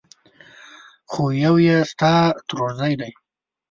خو يو يې ستا ترورزی دی!